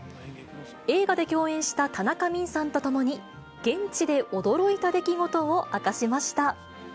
映画で共演した田中泯さんと共に、現地で驚いた出来事を明かしました。